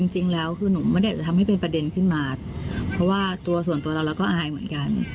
จริงแล้วคือหนูไม่ได้จะทำให้เป็นประเด็นขึ้นมาเพราะว่าตัวส่วนตัวเราเราก็อายเหมือนกัน